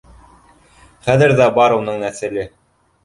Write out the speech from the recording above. Хәҙер ҙә бар уның нәҫеле.